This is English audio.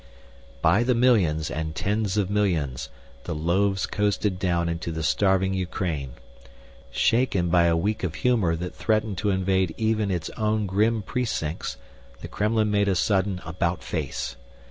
By the millions and tens of millions, the loaves coasted down into the starving Ukraine. Shaken by a week of humor that threatened to invade even its own grim precincts, the Kremlin made a sudden about face.